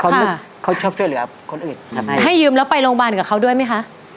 เขาชอบช่วยเหลือคนอื่นทำไมให้ยืมแล้วไปโรงพยาบาลกับเขาด้วยไหมคะ